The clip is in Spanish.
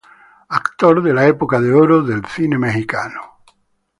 Actor de la Época de Oro de Cine Mexicano.